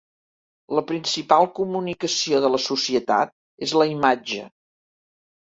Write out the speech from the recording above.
La principal comunicació de la societat és la imatge.